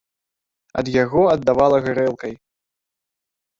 Ад яго аддавала гарэлкай.